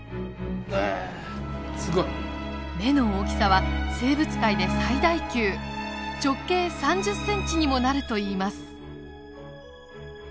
目の大きさは生物界で最大級直径３０センチにもなるといいます。